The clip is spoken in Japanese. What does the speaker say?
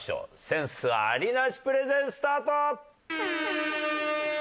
センスありなしプレゼンスタート！